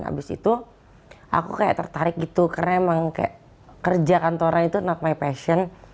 abis itu aku kayak tertarik gitu karena emang kayak kerja kantoran itu not by passion